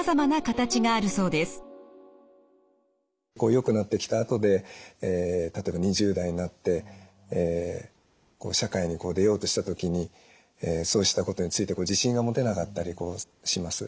よくなってきたあとで例えば２０代になって社会に出ようとしたときにそうしたことについて自信が持てなかったりします。